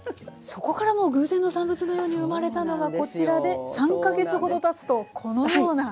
そこからもう偶然の産物のように生まれたのがこちらで３か月ほどたつとこのような。